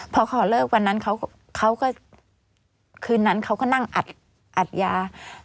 พอเขาเลิกวันนั้นเขาก็คืนนั้นเขาก็นั่งอัดยา